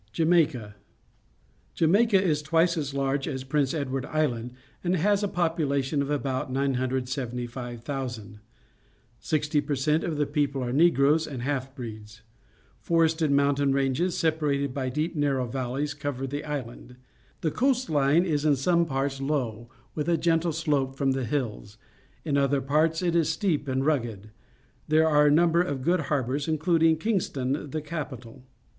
Jamaica. — Jamaica is twice as large as Prince Edward Island and has a population of about 975,000. Sixty per cent of the people are Negroes and half breeds. THE WEST INDIES AND BERMUDA 145 Forested ^aauntain ranges, separated by d^ ^ nar row valleys, cover the island. The coast Une is in some parts low, with a gentle slope from the lulls; in other parts it is steep and rugged. There are a number of good harbours, including Kingston, the ca pital